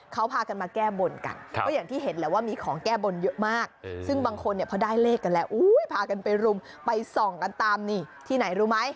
เขาพากันมาแก้บนกันก็อย่างที่เห็นแหละว่ามีของแก้บนเยอะมากซึ่งบางคนเนี่ยพอได้เลขกันแล้วพากันไปรุมไปส่องกันตามนี่ที่ไหนรู้ไหม